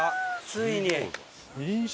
ついに！